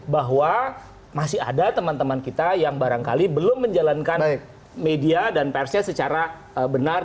bahwa masih ada teman teman kita yang barangkali belum menjalankan media dan persnya secara benar